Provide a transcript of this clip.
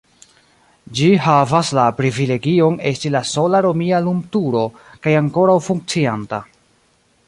Ĝi havas la privilegion esti la sola romia lumturo kaj ankoraŭ funkcianta.